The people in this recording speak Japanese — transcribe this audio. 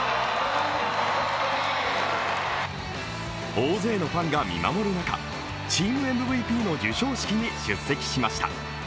大勢のファンが見守る中チームＭＶＰの授賞式に出席しました。